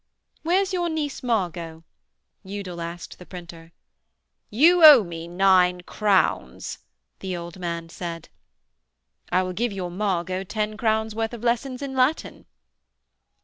'Where's your niece Margot?' Udal asked the printer. 'You owe me nine crowns,' the old man said. 'I will give your Margot ten crowns' worth of lessons in Latin.'